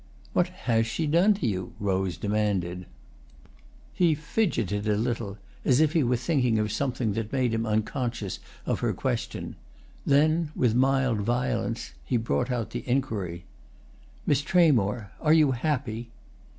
"What has she done to you?" Rose demanded. He fidgeted a little, as if he were thinking of something that made him unconscious of her question; then, with mild violence, he brought out the inquiry: "Miss Tramore, are you happy?"